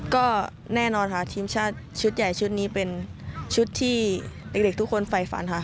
ก็แน่นอนค่ะทีมชาติชุดใหญ่ชุดนี้เป็นชุดที่เด็กทุกคนไฟฝันค่ะ